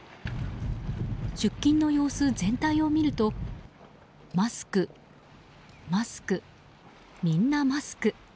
出勤の様子全体を見るとマスク、マスク、みんなマスク。